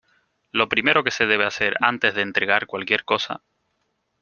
lo primero que se debe hacer antes de entregar cualquier cosa